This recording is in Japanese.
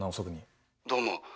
どうも。